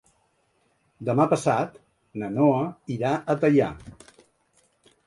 Demà passat na Noa irà a Teià.